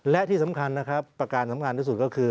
และที่สำคัญนะครับประการสำคัญที่สุดก็คือ